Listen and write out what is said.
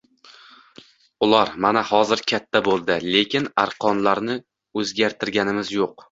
Ular mana hozir katta boʻldi, lekin arqonlarni oʻzgartirganimiz yoʻq.